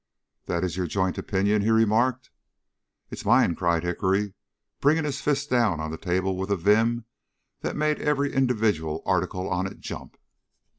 "That is your joint opinion?" he remarked. "It is mine," cried Hickory, bringing his fist down on the table with a vim that made every individual article on it jump.